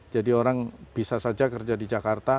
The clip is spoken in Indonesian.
jadi orang bisa saja kerja di jakarta